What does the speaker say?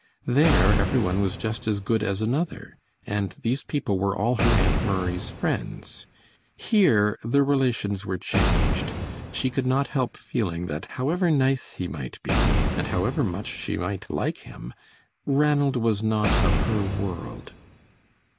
There every one was just as good as another, and these people were all her Aunt Murray's friends. Here the relations were changed. She could not help feeling that however nice he might be, and however much she might like him, Ranald was not of her world.